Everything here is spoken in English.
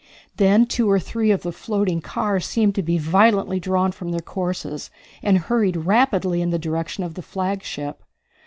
Then two or three of the floating cars seemed to be violently drawn from their courses and hurried rapidly in the direction of the flagship.